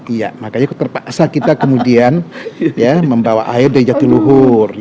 iya makanya terpaksa kita kemudian ya membawa air dari jati luhur